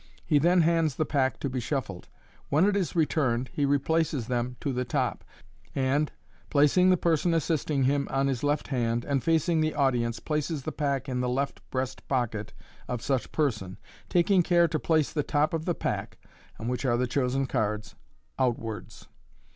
He then hands the pack to be shuffled. When it is returned, he replaces them on the top, and, placing the person assisting him on his left hand, and facing the audience, places the pack in the left breast pocket of such person, taking care to place the top of the pack (on which are the chosen cards) outwards.